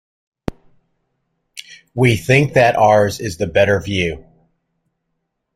We think that ours is the better view.